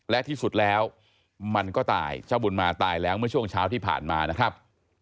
และที่สุดแล้วมันก็ตายเจ้าบุญมาตายแล้วเมื่อช่วงเช้าที่ผ่านมานะครับ